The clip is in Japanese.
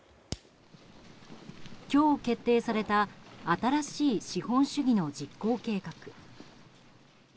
今日、決定された新しい資本主義の実行計画。